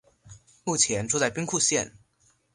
目前住在兵库县。